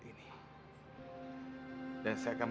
yang tidak lewati nasib